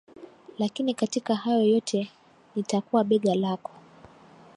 Lakini katika hayo yote, nitakuwa bega lako.